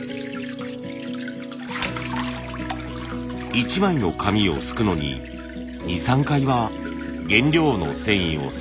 一枚の紙をすくのに２３回は原料の繊維をすくい上げます。